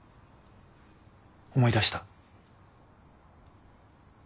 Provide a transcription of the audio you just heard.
思い出した。